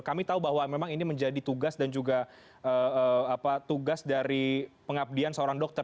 kami tahu bahwa memang ini menjadi tugas dan juga tugas dari pengabdian seorang dokter